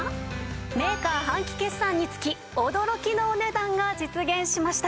メーカー半期決算につき驚きのお値段が実現しました。